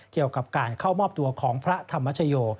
เกี่ยวกับการเข้ามอบตัวของพระธรรมชโย